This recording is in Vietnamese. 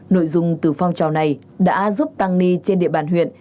nội dung từ phong trào này đã giúp tăng ni trên địa bàn huyện